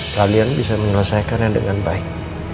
kalian bisa menyelesaikannya dengan baik